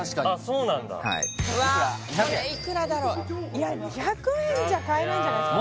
これいくらだろういや２００円じゃ買えないんじゃないですか？